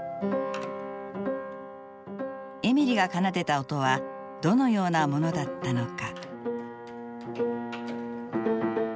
エミリが奏でた音はどのようなものだったのか。